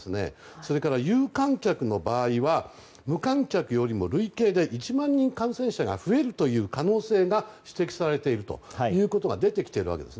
それから有観客の場合は無観客よりも累計で１万人感染者が増えるという可能性が指摘されているということが出てきているわけです。